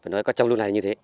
nói có trong lúc này là như thế